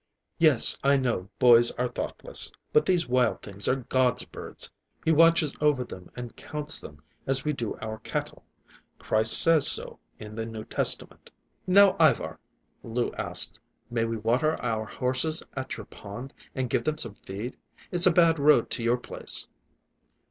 "Yes, I know boys are thoughtless. But these wild things are God's birds. He watches over them and counts them, as we do our cattle; Christ says so in the New Testament." "Now, Ivar," Lou asked, "may we water our horses at your pond and give them some feed? It's a bad road to your place."